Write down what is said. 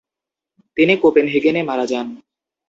তিনি কোপেনহেগেনে মারা যান।